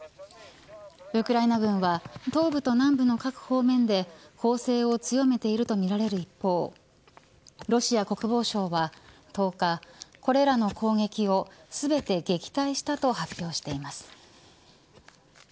ウクライナ軍は東部と南部の各方面で攻勢を強めているとみられる一方ロシア国防省は１０日これらの攻撃を全て撃退したと発表しています。